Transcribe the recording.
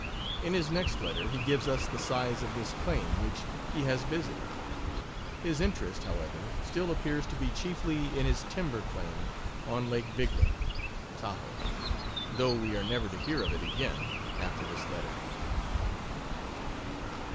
In his next letter he gives us the size of this claim, which he has visited. His interest, however, still appears to be chiefly in his timber claim on Lake Bigler (Tahoe), though we are never to hear of it again after this letter.